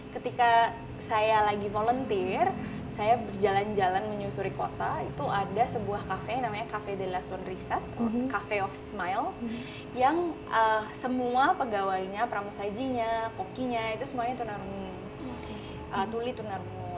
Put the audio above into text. ketika saya lagi volunteer saya berjalan jalan menyusuri kota itu ada sebuah kafe namanya cafe de las sonrisas atau cafe of smiles yang semua pegawainya pramu sajinya pokinya itu semuanya tunarungu